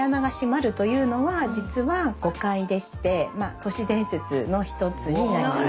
都市伝説の一つになります。